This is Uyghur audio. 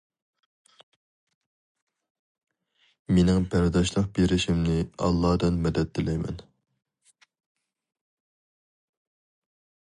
مېنىڭ بەرداشلىق بېرىشىمنى ئاللادىن مەدەت تىلەيمەن.